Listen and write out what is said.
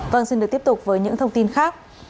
vâng xin được tiếp tục với những thông tin khác